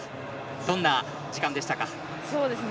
どんな時間でしたか。